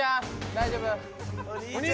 大丈夫？